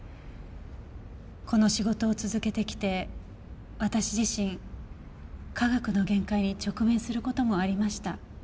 この仕事を続けてきて私自身科学の限界に直面する事もありました。